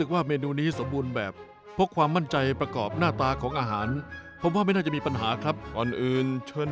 เวลากดดันเขามากเลย